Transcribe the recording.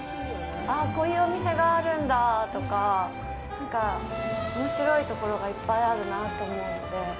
あっ、こういうお店があるんだとかなんかおもしろいところがいっぱいあるなと思うので。